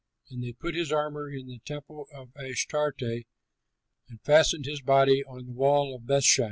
And they put his armor in the temple of Ashtarte and fastened his body on the wall of Bethshan.